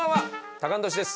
タカアンドトシです。